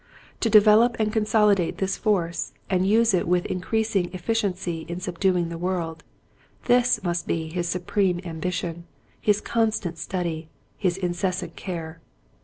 To develop and consolidate this force and use it with increasing efficiency in subduing the world, this must be his supreme ambition, his constant study, his incessant care.